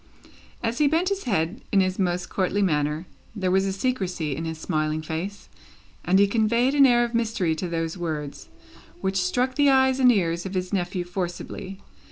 As he bent his head in his most courtly manner, there was a secrecy in his smiling face, and he conveyed an air of mystery to those words, which struck the eyes and ears of his nephew forcibly.